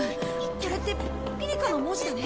これってピリカの文字だね？